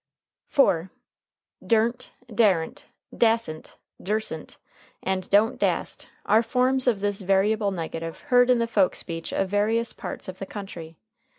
] [Footnote 4: Durn't, daren't, dasent, dursent, and don't dast are forms of this variable negative heard in the folk speech of various parts of the country.